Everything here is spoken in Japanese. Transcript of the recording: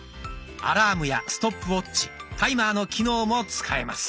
アラームやストップウォッチタイマーの機能も使えます。